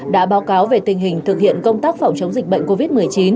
đã báo cáo về tình hình thực hiện công tác phòng chống dịch bệnh covid một mươi chín